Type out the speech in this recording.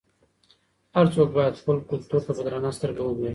هر څوک باید خپل کلتور ته په درنه سترګه وګوري.